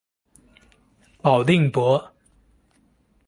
保定伯。